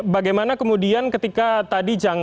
bagaimana kemudian ketika tadi